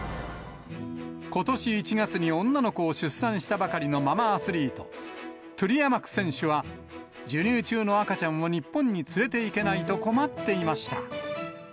ことし１月に女の子を出産したばかりのママアスリート、トゥリアマク選手は、授乳中の赤ちゃんを日本に連れて行けないと困っていました。